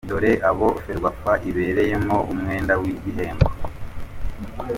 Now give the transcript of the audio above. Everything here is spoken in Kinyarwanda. Dore abo ferwafa ibereyemo umwenda w’igihembo.